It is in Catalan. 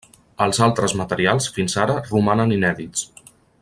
Els altres materials fins ara romanen inèdits.